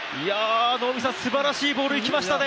すばらしいボールいきましたね。